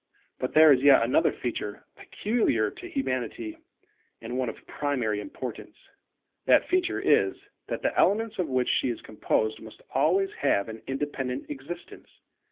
But there is yet another feature peculiar to Humanity, and one of primary importance. That feature is, that the elements of which she is composed must always have an independent existence.